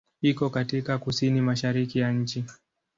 Iko katika kusini-mashariki ya nchi.